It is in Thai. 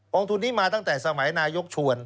ทุนนี้มาตั้งแต่สมัยนายกชวน